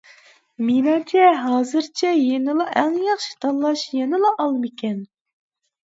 مېنىڭچە ھازىرچە يەنىلا ئەڭ ياخشى تاللاش يەنىلا ئالمىكەن.